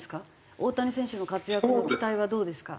大谷選手の活躍の期待はどうですか？